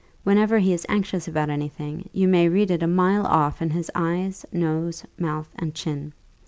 Whenever he is anxious about any thing, you may read it a mile off in his eyes, nose, mouth, and chin.